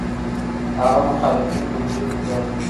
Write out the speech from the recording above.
هغه مخالفین کمزوري کړل.